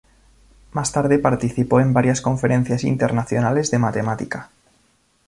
Más tarde participó en varias conferencias internacionales de matemática.